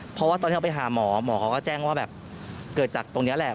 เพราะว่าตอนที่เขาไปหาหมอหมอเขาก็แจ้งว่าแบบเกิดจากตรงนี้แหละ